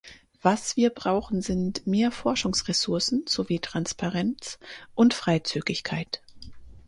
Was wir brauchen, sind mehr Forschungsressourcen sowie Transparenz und Freizügigkeit.